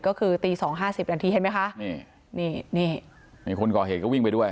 ก็คือตี๒๕๐นาทีเห็นไหมคะนี่นี่นี่คนก่อเหตุก็วิ่งไปด้วย